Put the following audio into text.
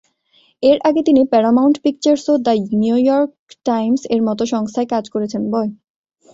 এর আগে তিনি প্যারামাউন্ট পিকচার্স ও "দ্য নিউ ইয়র্ক টাইমস"-এর মতো সংস্থায় কাজ করেছেন।